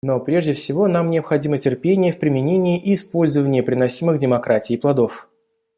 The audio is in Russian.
Но прежде всего нам необходимо терпение в применении и использовании приносимых демократией плодов.